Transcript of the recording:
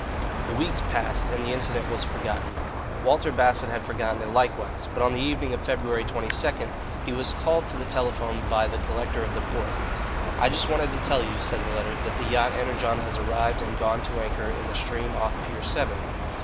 The weeks passed and the incident was forgotten. Walter Bassett had forgotten it likewise; but on the evening of February 22, he was called to the telephone by the Collector of the Port. "I just wanted to tell you," said the latter, "that the yacht Energon has arrived and gone to anchor in the stream off Pier Seven."